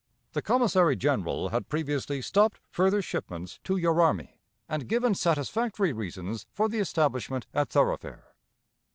The Commissary General had previously stopped further shipments to your army, and given satisfactory reasons for the establishment at Thoroughfare.